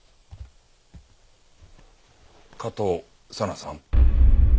加藤佐奈さん。